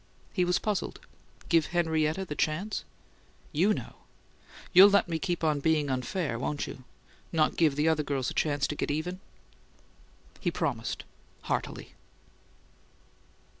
He was puzzled. "Give Henrietta the chance?" "YOU know! You'll let me keep on being unfair, won't you? Not give the other girls a chance to get even?" He promised, heartily.